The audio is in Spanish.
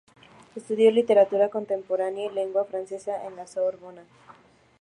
Estudió literatura contemporánea y lengua francesa en la Sorbona.